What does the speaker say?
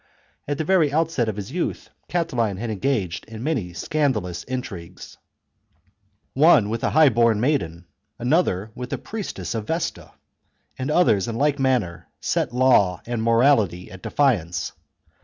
At the very outset of his youth Catiline had engaged in many scandalous intrigues ;. one with a high born maiden, another with a priestess of Vesta, and others which in like manner set law and morality at defiance.